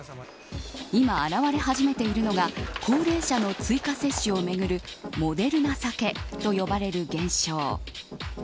今、現れ始めているのが高齢者の追加接種をめぐるモデルナ避けと呼ばれる現象。